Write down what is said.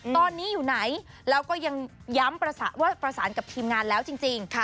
ตอนนี้อยู่ไหนแล้วก็ยังย้ำว่าประสานกับทีมงานแล้วจริง